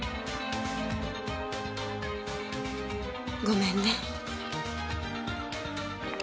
ごめんね。